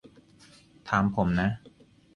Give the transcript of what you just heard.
ถามผมนะ